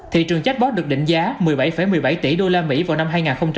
thị trường chatbot được định giá một mươi bảy một mươi bảy tỷ usd vào năm hai nghìn hai mươi